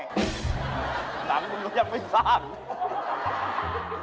หนังนึงก็ยังไม่สร้าง